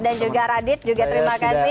dan juga radit juga terima kasih